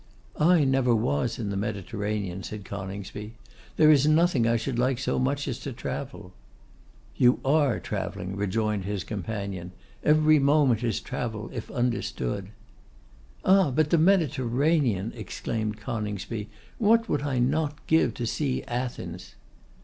'I never was in the Mediterranean,' said Coningsby. 'There is nothing I should like so much as to travel.' 'You are travelling,' rejoined his companion. 'Every moment is travel, if understood.' 'Ah! but the Mediterranean!' exclaimed Coningsby. 'What would I not give to see Athens!